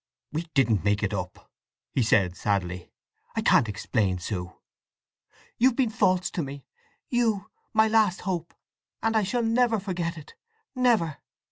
"We didn't make it up," he said sadly. "I can't explain, Sue." "You've been false to me; you, my last hope! And I shall never forget it, never!"